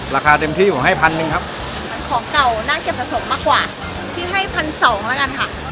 ราคาเต็มที่ผมให้พันหนึ่งครับมันของเก่าน่าเก็บผสมมากกว่าพี่ให้พันสองแล้วกันค่ะ